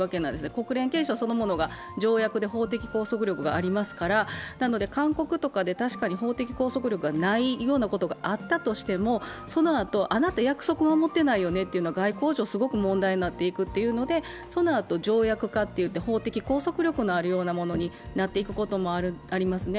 国連憲章そのものが条約で法的拘束力がありますから、なので勧告とかで法的拘束力がないようなことがあったとしても、そのあと、あなた約束守ってないよねと外交上、すごく問題になっていくということでそのあと条約化といって法的拘束力のあるようなものになっていくこともありますね。